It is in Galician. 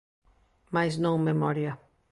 Mais non memoria.